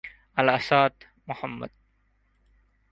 Al-Assad, Md.